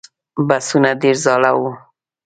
بسونه ډېر زاړه و.